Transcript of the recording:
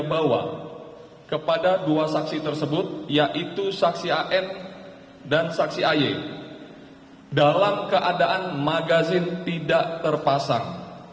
saya bawa kepada dua saksi tersebut yaitu saksi an dan saksi aye dalam keadaan magazin tidak terpasang